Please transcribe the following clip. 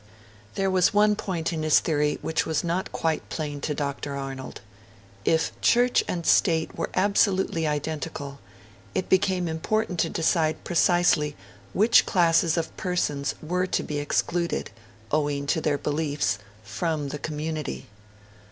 There was one point in his theory which was not quite plain to Dr. Arnold. If Church and State were absolutely identical, it became important to decide precisely which classes of persons were to be excluded, owing to their beliefs, from the community.